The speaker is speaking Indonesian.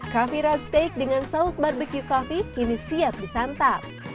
coffee rub steak dengan saus barbecue coffee kini siap disantap